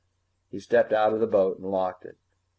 He stepped out of the boat and locked it.